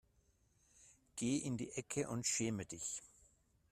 Geh in die Ecke und schäme dich.